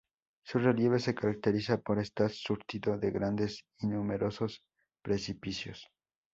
Su relieve se caracteriza por estar surtido de grandes y numerosos precipicios.